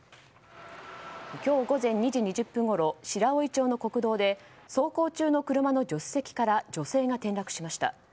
今日午前２時２０分ごろ白老町の国道で走行中の車の助手席から女性が転落しました。